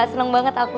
seneng banget aku